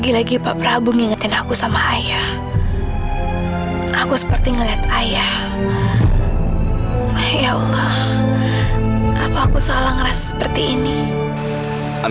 sampai jumpa di video selanjutnya